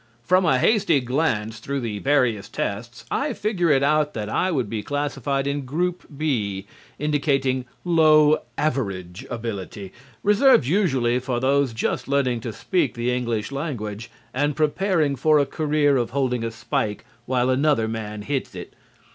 From a hasty glance through the various tests I figure it out that I would be classified in Group B, indicating "Low Average Ability," reserved usually for those just learning to speak the English language and preparing for a career of holding a spike while another man hits it.